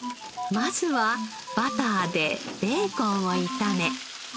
まずはバターでベーコンを炒め。